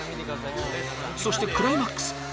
そしてクライマックス